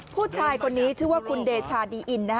ผู้ชายคนนี้ชื่อว่าคุณเดชาดีอิน